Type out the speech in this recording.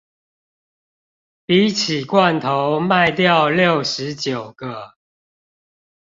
比起罐頭賣掉六十九個